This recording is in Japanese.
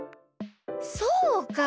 そうか！